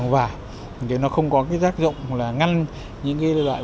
và nó không có cái giác dụng là ngăn những loại